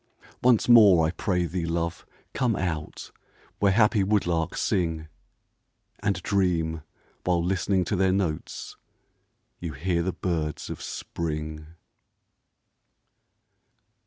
Once more, I pray thee, love, come out, Where happy woodlarks sing, And dream, while listening to their notes, You hear the birds of Spring.